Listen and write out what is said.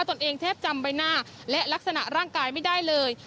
ตัวเองแทบจำใบหน้าและลักษณะร่างกายไม่ได้เลย